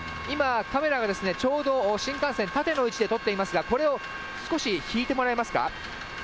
今、カメラがちょうど、新幹線、縦の位置で撮っていますが、これを少し引いてもらえますか。